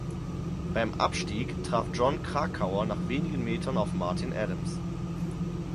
Beim Abstieg traf Jon Krakauer nach wenigen Metern auf Martin Adams.